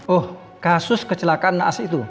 oh kasus kecelakaan naas itu